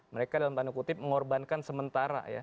mereka dalam tanda kutip mengorbankan sementara ya